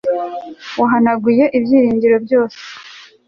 wahanaguye ibyiringiro byose